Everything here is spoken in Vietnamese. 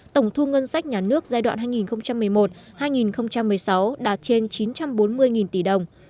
tổng thu ngân sách nhà nước giai đoạn hai nghìn một mươi một hai nghìn một mươi sáu đạt trên chín trăm bốn mươi tỷ đồng